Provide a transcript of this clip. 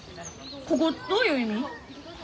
ここどういう意味？